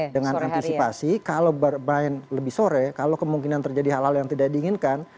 dengan antisipasi kalau bermain lebih sore kalau kemungkinan terjadi hal hal yang tidak diinginkan